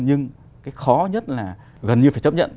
nhưng cái khó nhất là gần như phải chấp nhận